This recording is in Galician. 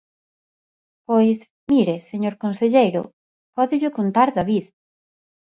Pois, mire, señor conselleiro, pódello contar David.